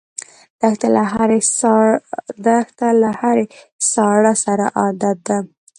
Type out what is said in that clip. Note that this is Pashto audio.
دښته له هرې ساړه سره عادت ده.